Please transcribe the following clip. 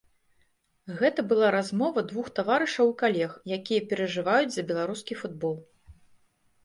Гэта была размова двух таварышаў і калег, якія перажываюць за беларускі футбол.